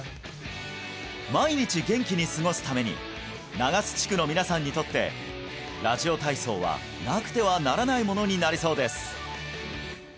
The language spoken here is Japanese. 毎日元気に過ごすために長洲地区の皆さんにとってラジオ体操はなくてはならないものになりそうです